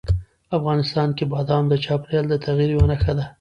افغانستان کې بادام د چاپېریال د تغیر یوه نښه ده.